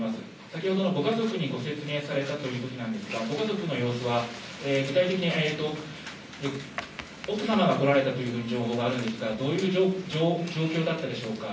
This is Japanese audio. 先ほど、ご家族にご説明されたということですがご家族の様子は具体的に、奥様が来られたという情報があるんですがどういう状況だったでしょうか。